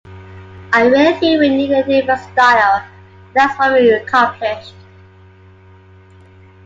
I really think we needed a different style, and that's what we've accomplished.